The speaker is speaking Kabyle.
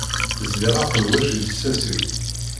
Zliɣ aqelwac i lsas-iw.